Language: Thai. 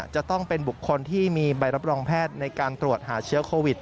จะต้องเป็นบุคคลที่มีใบรับรองแพทย์ในการตรวจหาเชื้อโควิด